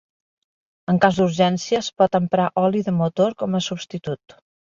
En cas d'urgència es pot emprar oli de motor com a substitut.